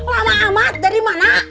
lama amat dari mana